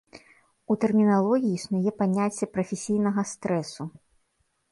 У тэрміналогіі існуе паняцце прафесійнага стрэсу.